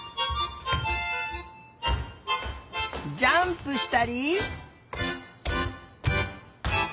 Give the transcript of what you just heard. ジャンプしたり。